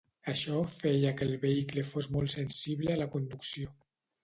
Això feia que el vehicle fos molt sensible a la conducció.